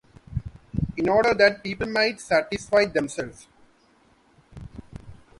In order that people might satisfy themselves.